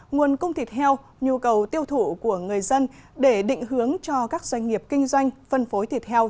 nguồn cung thịt heo nhu cầu tiêu thụ của người dân để định hướng cho các doanh nghiệp kinh doanh phân phối thịt heo